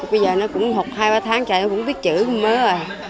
bây giờ nó cũng học hai ba tháng trời nó cũng biết chữ mới rồi